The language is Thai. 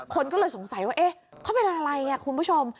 คนก็เลยสงสัยว่าเอ๊ะเขาเป็นอะไรคุณผู้ชม